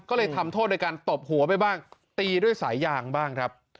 ก็เลยทำโทษโดยการตบหัวไปบ้างตีด้วยสายยางบ้างครับ